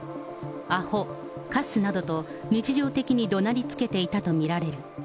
あほ、かすなどと、日常的にどなりつけていたと見られる。